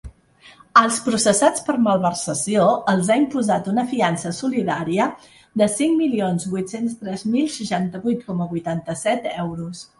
Als processats per malversació, els ha imposat una fiança solidària de cinc milions vuit-cents tres mil seixanta-vuit coma vuitanta-set euros.